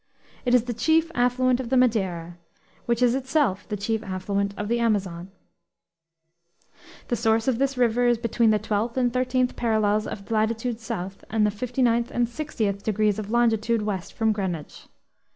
It is the chief affluent of the Madeira, which is itself the chief affluent of the Amazon. The source of this river is between the 12th and 13th parallels of latitude south and the 59th and 60th degrees of longitude west from Greenwich.